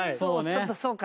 ちょっとそうか。